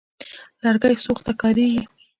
لرګي سوخت ته کارېږي.